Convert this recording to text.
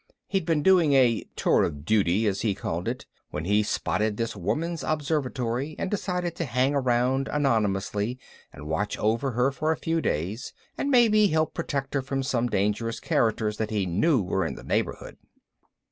He'd been doing a "tour of duty", as he called it, when he spotted this woman's observatory and decided to hang around anonymously and watch over her for a few days and maybe help protect her from some dangerous characters that he knew were in the neighborhood.